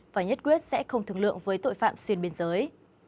và nhất quyết sẽ không thực lượng với tội phạm xuyên biên giới